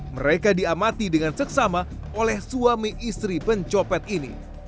mereka diamati dengan seksama oleh suami istri pencopet ini